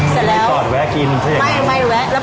ใช่